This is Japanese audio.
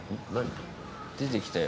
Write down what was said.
出てきたよ。